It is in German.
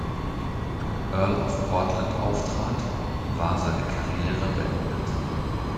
Earl of Portland auftrat, war seine Karriere beendet.